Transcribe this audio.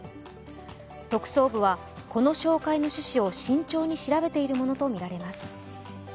特捜部はこの紹介の趣旨を慎重に調べているものとみられます。